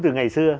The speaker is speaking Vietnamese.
từ ngày xưa